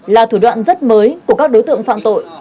là thủ đoạn rất mới của các đối tượng phạm tội